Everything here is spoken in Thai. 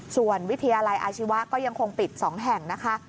ส่วนวิทยาลัยอาชีวะก็ยังคงปิด๒แห่งนะคะ